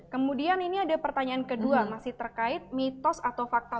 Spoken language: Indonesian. kemudian ini ada pertanyaan kedua masih terkait mitos atau fakta